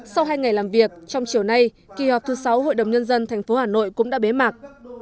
sau hai ngày làm việc trong chiều nay kỳ họp thứ sáu hội đồng nhân dân thành phố hà nội cũng đã bế mạc